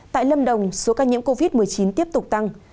tại lâm đồng số ca nhiễm covid một mươi chín tiếp tục tăng